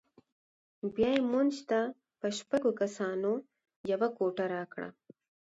بیا یې موږ ته په شپږو کسانو یوه کوټه راکړه.